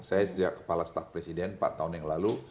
saya sejak kepala staf presiden empat tahun yang lalu